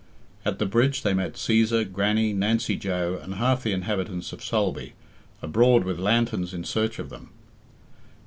At the bridge they met Cæsar, Grannie, Nancy Joe, and half the inhabitants of Sulby, abroad with lanterns in search of them.